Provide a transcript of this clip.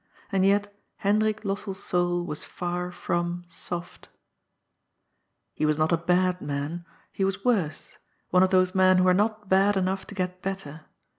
And yet Hendrik Lossell's soul was far from — soft He was not a bad man; he was worse — one of those men who are not bad enough to get better.